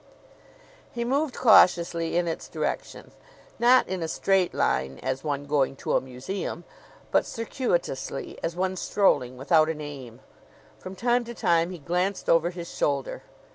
He moved cautiously in its direction not in a straight line as one going to a museum, but circuitously as one strolling without an aim. From time to time he glanced over his shoulder.